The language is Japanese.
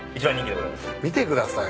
見てください